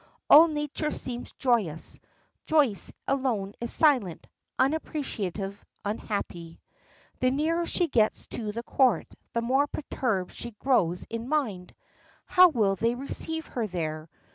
All nature seems joyous. Joyce alone is silent, unappreciative, unhappy. The nearer she gets to the Court the more perturbed she grows in mind. How will they receive her there?